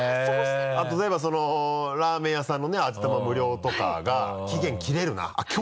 例えばラーメン屋さんのね味玉無料とかが「期限切れるな」